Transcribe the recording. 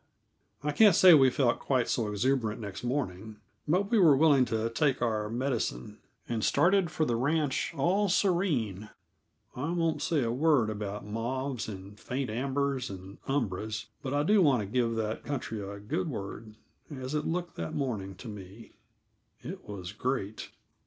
I can't say we felt quite so exuberant next morning, but we were willing to take our medicine, and started for the ranch all serene. I won't say a word about mauves and faint ambers and umbras, but I do want to give that country a good word, as it looked that morning to me. It was great.